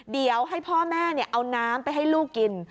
เดี๋ยวให้พ่อแม่เอาน้ำไปให้ลูกกิน